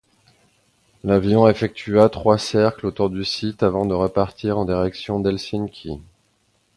L'avion effectua trois cercles autour du site avant de repartir en direction d'Helsinki.